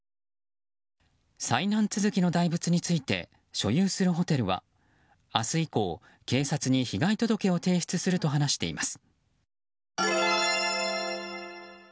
災難続きの大仏について所有するホテルは明日以降、警察に被害届を提出すると話しています。